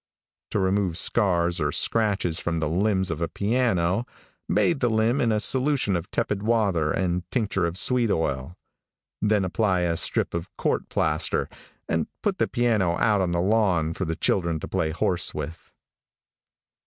To remove scars or scratches from the limbs of a piano, bathe the limb in a solution of tepid water and tincture of sweet oil. Then apply a strip of court plaster, and put the piano out on the lawn for the children to play horse with.